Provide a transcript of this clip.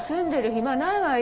暇ないわよ。